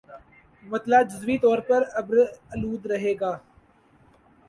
مطلع جزوی طور پر ابر آلود رہے گا